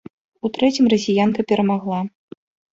У трэцім расіянка перамагла.